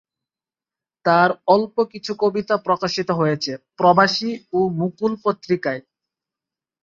তার অল্প কিছু কবিতা প্রকাশিত হয়েছে "প্রবাসী" ও "মুকুল" পত্রিকায়।